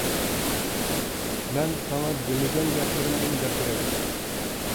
-مەن ساڭا دېمىگەن گەپلىرىمدىن دەپ بېرەي.